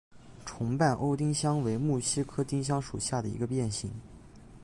重瓣欧丁香为木犀科丁香属下的一个变型。